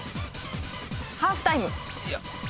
ハーフタイム。